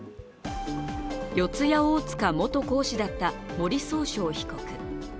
四谷大塚元講師だった森崇翔被告。